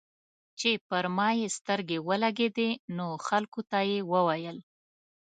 چې پر ما يې سترګې ولګېدې نو خلکو ته یې وويل.